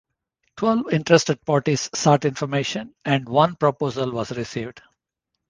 Twelve interested parties sought information, and one proposal was received.